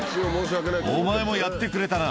お前もやってくれたな